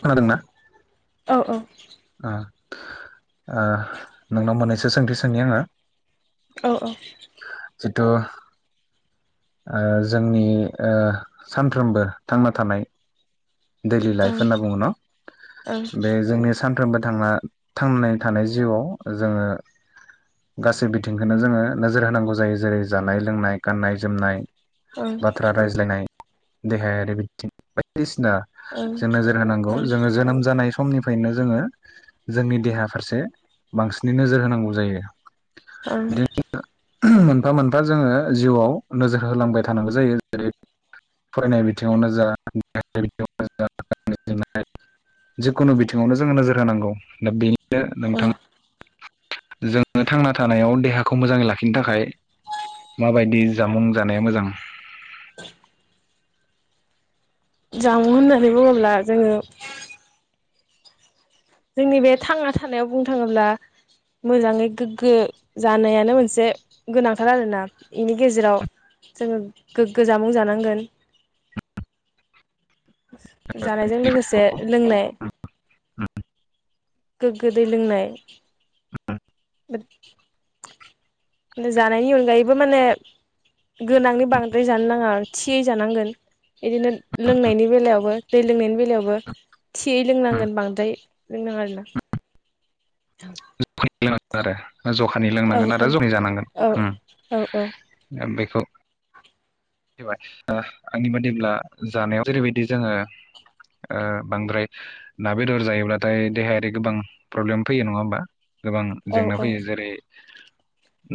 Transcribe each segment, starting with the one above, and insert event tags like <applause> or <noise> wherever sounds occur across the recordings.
खोनादोंना? औ औ। ओ ओ नोंनाव मोननैसो सोंथि सोंनि आङो औ औ द ओ जोंनि ओ सानफ्रोमबो थांना थानाय। दैलि लाइफ होनना बुङो न ओं बे जोंनि सान साफ्रोमबो थांना थांनाय थानाय जिउआव जोङो गासै बिथिंखौनो जोङो नोजोर होनांगौ जायो जेरै जानाय लोंनाय गाननाय जोमनाय। बाथ्रा रायज्लायनाय देहायारि बिथिं बायदिसिना ओं ओं जों नोजोर होनांगौ ओं जोङो जोनोम जानाय स समनिफ्रायनो जोङो जोंनि देहा फारसे बांसिनै नोजोर होनांगौ जायो। उम बिदि मोनफा मोनफा जोङो जिउआव नोजोर होलांबाय थानांगौ जायो। जेरै फरायनाय बिथिङावनो जा <unintelligible> <unintelligible> जिखुनु बिथिङावनो जोङो नोजोर होनांगौ दा बेनि नो ओं नोंथाङा जोङो थांना थानायाव देहाखौ मोजाङै लाखिनो थाखाय माबायदि जामुं जानाया मोजां? <inaudible> जामुं होननानै बुङोब्ला जोङो जोंनि बे थांना थानायाव बुंनो थाङोब्ला मोजाङै गोग्गो जानायानो मोनसे गोनांथार आरोना इनि गेजेराव जोङो गोग्गो जामुं जानांगोन। जानायजों लोगोसे लोंनाय गोग्गो दै लोंनाय जानायनि अनगायैबो माने गोनांनि बांद्राय जानो नाङा थि जानांगोन बिदिनो लोंनायनि बेलायावबो दै लोंनायनि बेलायावबो थियै लोंनांगोन बांद्राय। बिनो <unintelligible> खानि लोंनांगोन आरो जखानि जानांगोन औ उम औ दा बे खौ ओ आंनि बादिब्ला जानायाव जेरैबायदि जोङो ओ बांद्राय ना बेदर जायोब्लाथाय देहायारि गोबां प्रब्लेम फैयो नङा होमबा। गोबां औ जेंना फैयो जेरै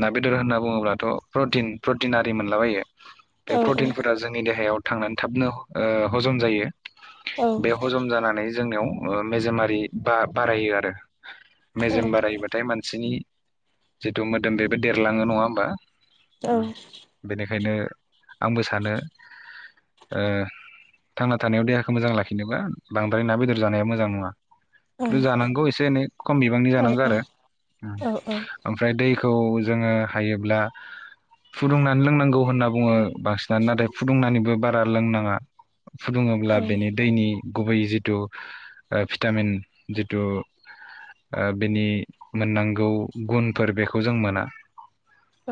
ना बेदर होनना बुङोब्लाथ' प्रटिन प्रटिन आरि मोनलाबायो। औ बे प्रटिनफोरा जोंनि देहायाव थांनानै थाबनो ओ हजम जायो। औ बे हजम जानानै जोंनियाव ओ मेजेमारि बा-बारायो आरो। औ मेजेम ओं बारायोबाथाय मानसिनि जिथु मोदोम बेबो देरलाङो नङा होमबा? औ। खायनो आंबो सानो ओ थांना थानायाव देहाखौ मोजां लाखिनोबा बांद्राय ना बेदर जानाया मोजां नङा। जानांगौ एसे एनै खम बि नि जानांगो आरो ओम ओमफ्राय दैखौ जोङो हायोब्ला फुदुंनानै लोंनांगौ होनना बुङो। बांसिनानो नाथाय फुदुंनानैबो बारा लोंनाङा। फुदुङोब्ला बेनि दैनि गुबैयै जिथु ओ भिटामिन जिथु ओ बिनि मोननांगौ गुनफोर बेखौ जों मोना।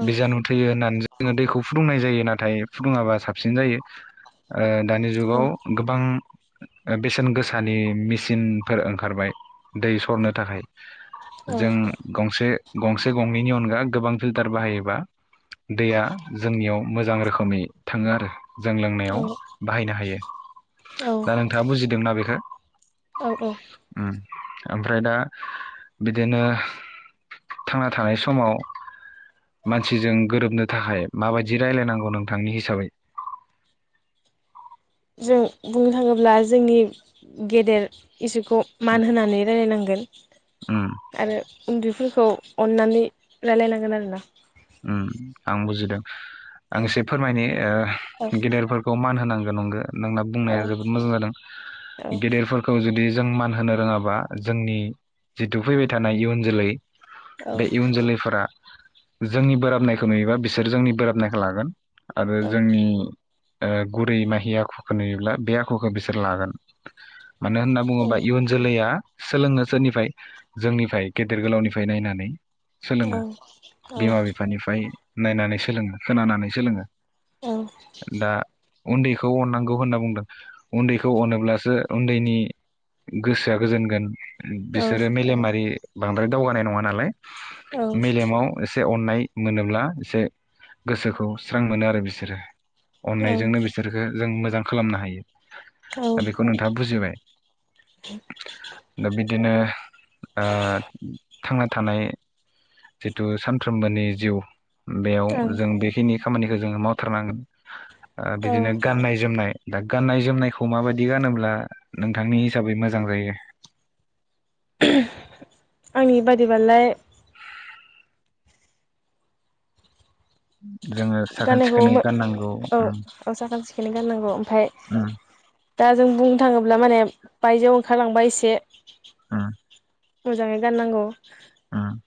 बिजानु थैयो होननानै जा ङो दैखौ फुदुंनाय जायो नाथाय फुदुङाबा साबसिन जायो ओ दानि जुगाव गोबां बेसेन गोसानि मेचिनफोर ओंखारबाय दै सरनो थाखाय। जों गंसे गंसे गंनैनि अनगा गोबां फिल्टार बाहायोबा दैया जोंनियाव मोजां रोखोमै थाङो आरो। जों औ लोंनायाव बाहायनो हायो दा नोंथाङा बुजिदोंना बेखो? औ औ। ओमफ्राय दा बिदिनो थांना थानाय समाव मानसिजों गोरोबनो थाखाय माबायदि रायलायनांगौ नोंथांनि हिसाबै? जों बुंनो थाङोब्ला जोंनि गेदेर इसुखौ मान होनानै रायलायनांगोन। उम आरो उन्दैफोरखौ अननानै रायलायनांगोन आरोना उ आं बुजिदों औ आं एसे फोरमायनो औ ओ गेदेरफोरखौ मान होनांगौ नंगो नोंना बुंनाया जोबोद मोजां जादों गेदेरफोरखौ जुदि जों मान होनो रोङाबा जोंनि जिथु फैबाय थानाय इयुन जोलै बे इयुन जोलैफोरा जोंनि बोराबनायखौ नुयोबा बिसोर जोंनि बोराबनायखौ लागोन आरो जोंनि ओ गुरै माहि आखुखौ नुयोब्ला बे आखुखौ बिसोर लागोन मानो होनना बुङोबा इयुन जोलैया सोलोंनो सोरनिफ्राय जोंनिफ्राय गेदेर गोलावनिफ्राय नायनानै सोलोङो औ बिमा बिफानिफ्राय नायनानै सोलोङो खोनानानै सोलोङो औ दा उन्दैखौ अननांगौ होनना बुंदों उन्दैखौ अनोब्लासो उन्दैनि गोसोआ गोजोनगोन बिसोरो मेलेमारि बांद्राय दावगानाय नङा नालाय औ मेलेमाव एसे अननाय मोनोब्ला एसे गोसोखौ स्रां मोनो आरो बिसोरो अननायजोंनो बिसोरखो जों मोजां खालामनो हायो दा बेखौ नोंथाङा बुजिबाय दा बिदिनो ओ थांना थानाय थु सानफ्रोमबोनि जिउ बेयाव जों बेखिनि खामानिखौ जोङो मावथारनांगोन ओ बिदिनो गाननाय जोमनाय दा गाननाय जोमनायखौ माबायदि गानोब्ला नोंथांनि हिसाबै मोजां जायो <unintelligible> आंनि बादिबालाय जोङो साखोन गाननायखौ सिखोनै गाननांगौ औ उम औ साखोन सिखोनै गाननांगौ ओमफाय उम दा जों बुंनो थाङोब्ला माने बायजोआव ओखारलांबाय एसे उम मोजाङै गाननांगौ। ओम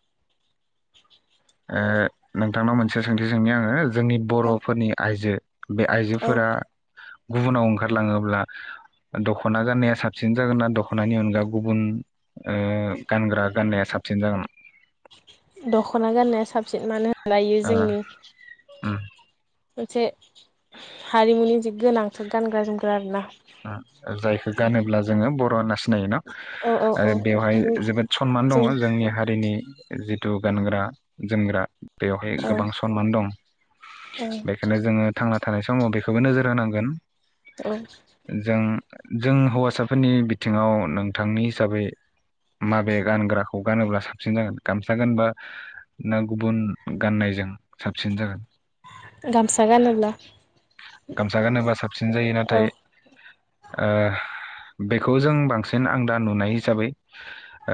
ओ नोंथांनाव मोनसे सोंथि सोंनि आङो। जोंनि औ बर'फोरनि आइजो। बे औ आइजोफोरा गुबुनाव ओंखारलाङोब्ला, दख'ना गाननाया साबसिन जागोन न दख'नानि अनगा गुबुन ओ गानग्रा गाननाया साबसिन जागोन? दख'ना गाननाया साबसिन मानो लायो ओ जोङो। उम मोनसे, हारिमुनि जि गोनांथार गानग्रा जोमग्रा आरोना? ओम जायखौ गानोब्ला जोङो बर' होनना सिनायोना औ औ आरो औ बेवहाय जों जोबोद सनमान दङ जोंनि हारिनि। जिहेथु गानग्रा जोमग्रा बेवहाय औ गोबां सनमान दं, औ बेखायनो जोङो थां थानाय समाव बेखौबो नोजोर होनांगोन। औ ओम जों हौवासाफोरनि बिथिङाव नोंथांनि हिसाबै माबे गानग्राखौ गानोब्ला साबसिन जागोन? गामसा गानबा ना गुबुन गाननायजों साबसिन जागोन? गामसा गानोल्बा। गामसा गानोबा साबसिन जायो। औ नाथाय बेखौ जों बांसिन आं दा नुनाय हिसाबै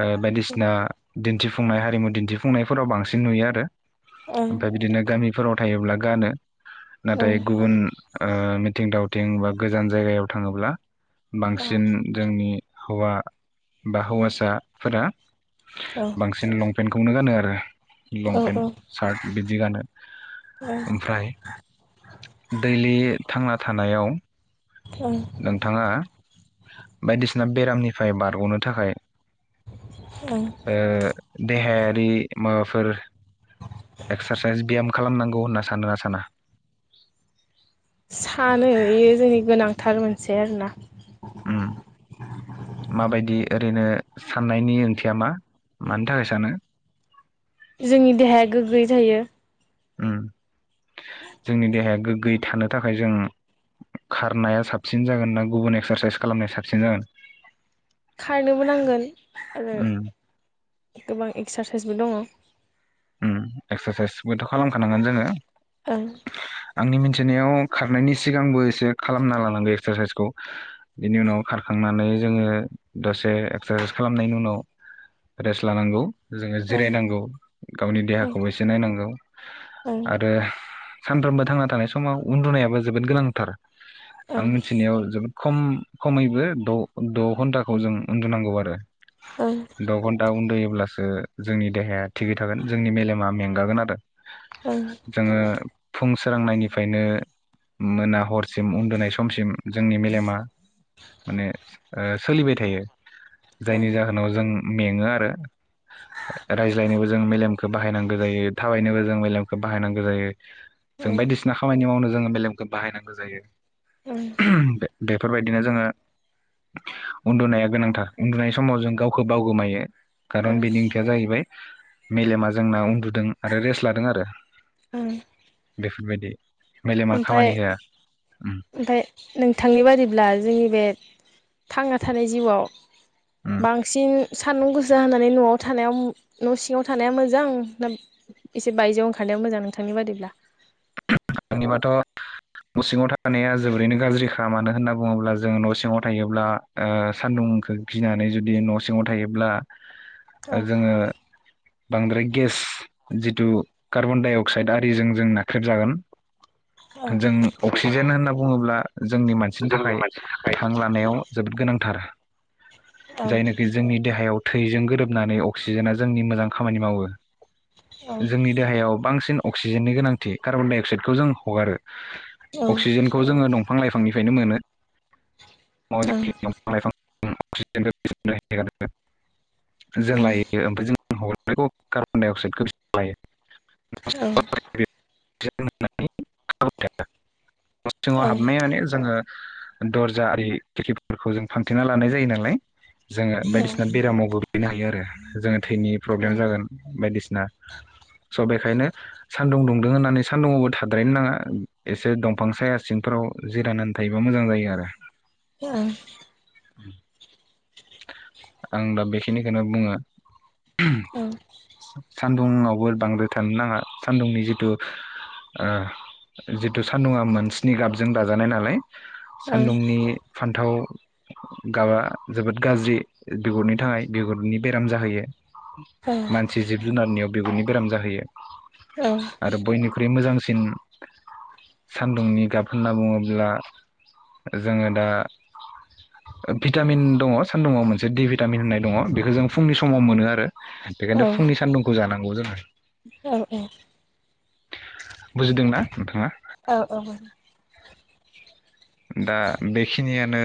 ओ बायदिसिना दिन्थि फुंनाय हारिमु दिन्थिफुंनायफोराव बांसिन नुयो आरो। ओं ओमफ्राय बिदिनो गामिफोराव थायोब्ला गानो। ओं नाथाय ओ मिथिं दावथिं बा गोजान जायगायाव थाङोब्ला। औ बांसिन जोंनि हौवा बा हौवासाफोरा औ बांसिन लंपेन्टखौनो गानो आरो। ओ औ लंपेन्ट ओं सार्ट बिदि गानो। ओमफ्राय दैलि थांना थानायाव ओं नोंथाङा बायदिसिना बेरामनि फ्राय बारग'नो थाखाय ओं ओ देहायारि माबाफोर एक्सारसाइस ब्याम खालामनांगौ होनना सानो ना साना? <inaudible> सानो बेयो जोंनि गोनांथार मोनसे आरोना। उम <inaudible> माबायदि ओरैनो साननायनि ओंथिया मा मानि थाखाय सानो? जोंनि देहाया गोग्गोयै थायो ओम जोंनि देहाया गोग गोयै थानो थाखाय जों खारनाया साबसिन जागोन ना गुबुन एक्सारसाइस खालामनाया साबसिन जागोन? खारनोबो नांगोन आरो उम गोबां एक्सा फेसबुक दङ ओम एक्सारसाइसबोथ' खालामखानांगोन जोङो। ओं आंनि मिन्थिनायाव खारनायनि सिगांबो एसे खालामना लानांगौ एक्सारसाइसखौ बिनि उनाव खारखांनानै जोङो दसे एक्सारसाइस खालामनायनि उनाव रेस्ट लानांगौ। जोङो ओं जिरायनांगौ गावनि देहाखौबो एसे नायनांगौ ओं आरो सानफ्रोमबो थांना थानाय समाव उन्दुनायाबो जोबोद गोनांथार ओं आं मिथिनायाव जोबोद खम खमैबो द' द' घन्टाखौ जों उन्दुनांगौ आरो ओं द' घन्टा उन्दुयोब्ला ओ जोंनि देहाया थिगै थागोन जोंनि मेलेमा मेंगागोन आरो ओं जोङो फुं सोरांनायनिफ्रायनो मोना हर सिम उन्दुनाय समसिम जोंनि मेलेमा माने ओ सोलिबाय थायो जायनि ओं जाहोनाव जों मेङो आरो राय <unintelligible> खौ बाहायनांगौ जायो थाबायनोबो जों मेलेमखौ बाहायनांगौ जायो जों ओं बायदिसिना खामानि मावनो जोङो मेलेमखो बाहायनांगौ जायो। ओं <inaudible> बेफोरबायदिनो जोङो उन्दुनाया गोनांथार उन्दुनाय समाव जों गावखौ बावगोमायो। खारन ओं बेनि ओंथिया जाहैबाय मेलेमा जोंना उन्दु दों आरो रेस्ट लादों आरो बेबायदि। ओमफाय उम ओमफाय नोंथांनि बादिब्ला जोंनि बे थांना थानाय जिउआव उम बांसिन सान्दुं गोसा होनानै न'आव थानायाव न' सिङाव थानाया मोजां ना एसे बायजोआव ओंखारनाया मोजां नोंथांनि बादिब्ला? आंनिबाथ' न' सिङाव थानाया जोबोरैनो गाज्रिखा मानो होनना बुङोब्ला जों न' सिङाव थायोब्ला ओ सान्दुंखौ गिनानै जुदि न' सिङाव थायोब्ला औ जोङो बांद्राय गेस जिथु कार्बन डाइ अक्साइड आरिजों जों नाख्रेबजागोन। औ जों अक्सिजेन होनना बुङोब्ला जोंनि जों मानसिनि जोंनि थाखाय मानसिनि थाखाय हां लानायाव जोबोद गोनांथार औ जायनोखि जोंनि देहायाव थैजों गोरोबनानै अक्सिजेना जोंनि मोजां खामानि मावो। औ जोंनि देहायाव बांसिन अक्सिजेननि गोनांथि कार्बनडाइ अक्साइड बेखौ जों हगारो। औ ओं अक्सिजेनखौ जोङो दं फां लाइफांनिफ्रायनो मोनो। <unintelligible> <unintelligible> ओं जों लायो ओमफाय जों <unintelligible> कार्बन डाइ अक्साइदखौ बिसोर लायो। औ। <unintelligible> <unintelligible> न' सिङाव औ ओं हाबनाय माने जोङो दर्जा आरि खेर्खिफोरखौ जों फांथेना लानाय जायो नालाय। जोङो ओं बायदिसिना बेरामाव गोग्लैनो हायो आरो जोङो थैनि प्रब्लेम ओं जागोन बायदिसि ना स' बेखायनो सान्दुं दुंदों होननानै सान्दुंआवबो थाद्रायनो नाङा एसे दंफां साया सिंफोराव जिरायनानै थायोबा मोजां जायो आरो। औ आं दा बेखिनिखौनो बुङो। <unintelligible> औ सान्दुङावबो बांद्राय थानो नाङा सान्दुंनि जिथु ओ जिथु सान्दुङा मोनस्नि गाबजों दाजानाय नालाय सान्दुंनि फान्थाव गाबा जोबोद गाज्रि बिगुरनि थाखाय बिगुरनि बेराम जाहोयो। मानसि जिब जुनारनियाव बिगुरनि बेराम जाहोयो। आरो बयनिख्रुइ मोजां सिन सान्दुंनि गाब होनना बुङोब्ला जोङो दा ओ भिटामिन दङ सान्दुङाव मोनसे दिभिटामि होननाय दङ बेखौ जों फुंनि समाव मोनो आरो बेखायनो फुंनि सान्दुंखौ जानांगौ जोङो। औ औ बुजिदोंना नोंथाङा? औ औ <unintelligible> दा बेखिनियानो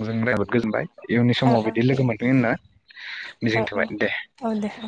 <unintelligible> जोबोद गोजोनबाय। इयुननि समाव बिदि लोगो मोनथों होनना औ मिजिं औ थाबाय दे। औ दे औ